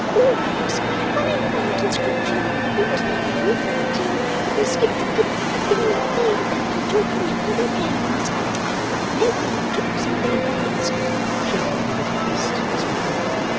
'Always running about and screeching, always playing and fighting, always skip skip skipping on the pavement and chalking it for their games! Oh! I know their tricks and their manners!' Shaking the little fist as before.